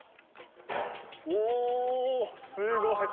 おっ、すごい。